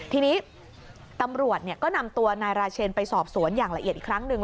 ทีนี้ตำรวจก็นำตัวนายราเชนไปสอบสวนอย่างละเอียดอีกครั้งหนึ่ง